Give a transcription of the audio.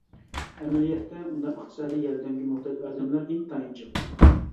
ئەمەلىيەتتە ئۇنداق ئىقتىسادى ياردەمگە موھتاج ئادەملەر ئىنتايىن جىق.